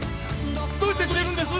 どうしてくれるんです